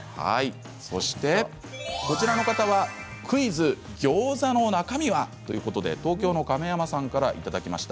そしてこちらの方はクイズギョーザの中身はということで東京都の方からいただきました。